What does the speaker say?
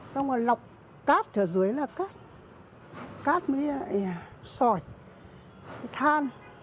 xong rồi lọc cát ở dưới là cát cát mới là sỏi than